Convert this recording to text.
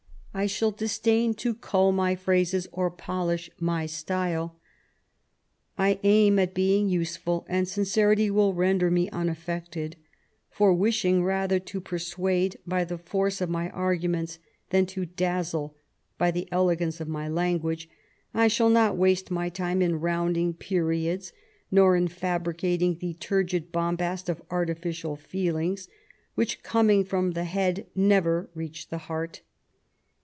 I shall disdain to cuU my phrases or polish my style. I aim at being useful, and sincerity will render me ima£fected ; for wishing rather to persxLade by the force of my arguments than to dazzle by the elegance of my language, I shall not waste my time in rounding periods, nor in fabricating the turgid bombast of artificial feelings, which, coming from the head, never reach the heart.